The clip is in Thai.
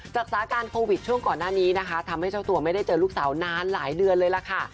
สาการโควิดช่วงก่อนหน้านี้นะคะทำให้เจ้าตัวไม่ได้เจอลูกสาวนานหลายเดือนเลยล่ะค่ะ